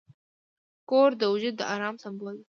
کور د وجود د آرام سمبول دی.